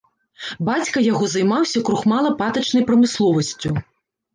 Бацька яго займаўся крухмала-патачнай прамысловасцю.